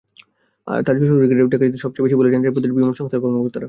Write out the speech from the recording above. তবে যশোর রুটে টিকিটের চাহিদা সবচেয়ে বেশি বলে জানিয়েছেন প্রতিটি বিমান সংস্থার কর্মকর্তারা।